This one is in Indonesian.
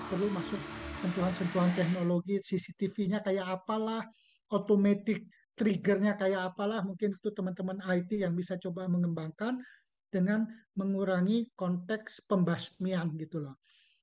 kesuburan teknologi cctv nya kayak apalah otomatis trigger nya kayak apalah mungkin itu teman teman it yang bisa coba mengembangkan dengan mengurangi konteks pembasmian gitu loh